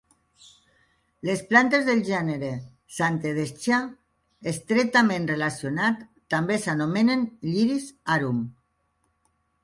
Les plantes del gènere "Zantedeschia", estretament relacionat, també s'anomenen "lliris arum".